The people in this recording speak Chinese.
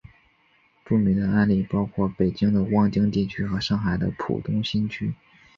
著名的案例包括北京的望京地区和上海的浦东新区。